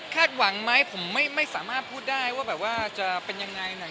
คาดหวังไม่กว่าจะสามารถยับพอเสมอจะเป็นอะไร